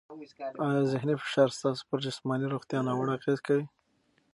آیا ذهني فشار ستاسو پر جسماني روغتیا ناوړه اغېزه کوي؟